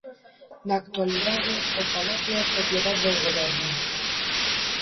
Na actualidade o palacio é propiedade do goberno.